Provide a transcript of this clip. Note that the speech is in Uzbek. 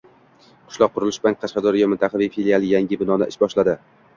«Qishloq qurilish bank» Qashqadaryo mintaqaviy filiali yangi binoda ish boshladi